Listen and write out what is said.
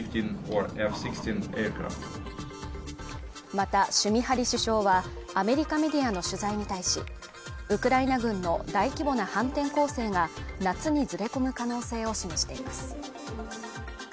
また、シュミハリ首相はアメリカメディアの取材に対し、ウクライナ軍の大規模な反転攻勢が夏にずれ込む可能性を示しています。